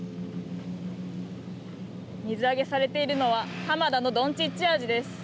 水揚げされているのは浜田のどんちっちアジです。